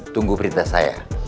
tunggu perintah saya